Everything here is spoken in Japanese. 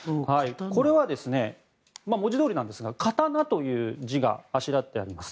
これは文字どおりなんですが「刀」という字があしらってあります。